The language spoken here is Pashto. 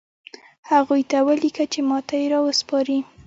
هغوی ته ولیکه چې ماته یې راوسپاري